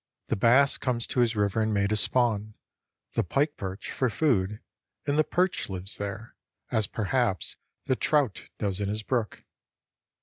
The bass comes to his river in May to spawn, the pike perch for food, and the perch lives there, as perhaps the trout does in his brook.